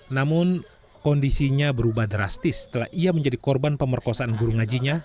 namun kondisinya berubah drastis setelah ia menjadi korban pemerkosaan guru ngajinya